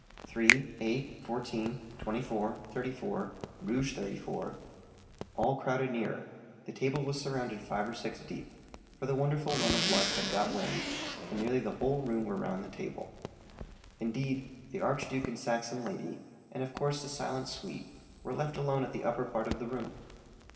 "Three eight fourteen twenty four thirty four, Rouge 34 " All crowded nearer; the table was surrounded five or six deep, for the wonderful run of luck had got wind, and nearly the whole room were round the table. Indeed, the archduke and Saxon lady, and of course the silent suite, were left alone at the upper part of the room.